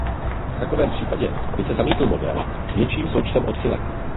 V takovém případě by se zamítl model s větším součtem odchylek.